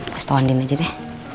pasti tawandin aja deh